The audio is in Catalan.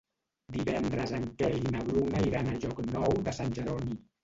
Divendres en Quel i na Bruna iran a Llocnou de Sant Jeroni.